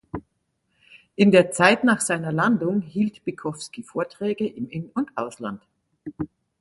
In der Zeit nach seiner Landung hielt Bykowski Vorträge im In- und Ausland.